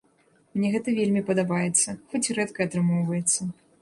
Мне гэта вельмі падабаецца, хоць і рэдка атрымоўваецца.